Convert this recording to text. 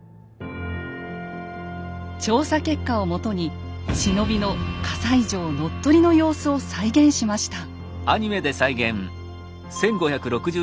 調査結果をもとに忍びの西城乗っ取りの様子を再現しました。